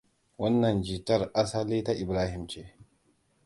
Wannan Jitar asali ta Ibrahim ce.